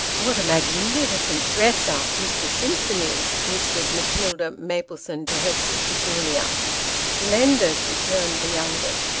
" What a magnificent dresser Mr. Simpson is !" whispered Matilda Maplesone to her sister Julia. " Splendid !" returned the youngest.